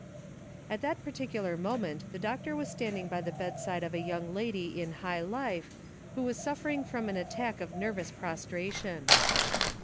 At that particular moment the doctor was stand ing by the bedside of a young lady in high life who was suffering from an attack of nervous pros tration.